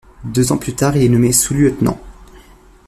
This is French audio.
Deux ans plus tard, il est nommé sous-lieutenant.